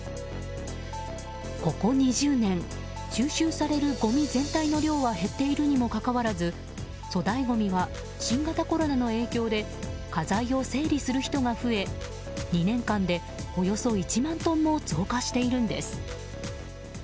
ここ２０年収集されるごみ全体の量は減っているにもかかわらず粗大ごみは新型コロナの影響で家財を整理する人が増え２年間でおよそ１万トンも増加しているんです。